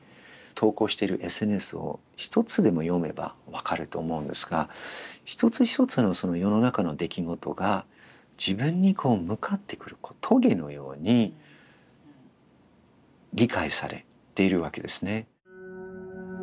投稿してるＳＮＳを１つでも読めば分かると思うんですが一つ一つのその世の中の出来事が自分にこう向かってくる棘のように理解されているわけですね。